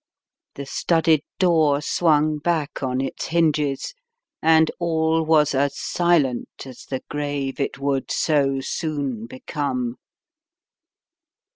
The studded door swung back on its hinges, and all was as silent as the grave it would so soon become.